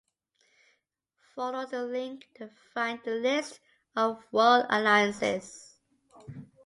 Follow the link to find the list of World Alliances.